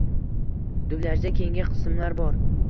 Dublyajda keyingi qismlar bor.